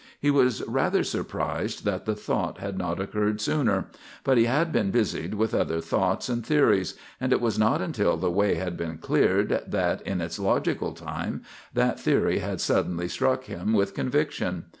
He was rather surprised that the thought had not occurred sooner; but he had been busied with other thoughts and theories, and it was not until the way had been cleared that, in its logical time, that theory had suddenly struck him with conviction.